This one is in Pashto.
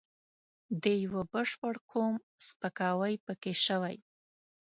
د یوه بشپړ قوم سپکاوی پکې شوی.